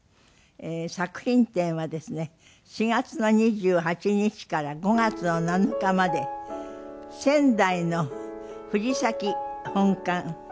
作品展はですね４月の２８日から５月の７日まで仙台の藤崎本館。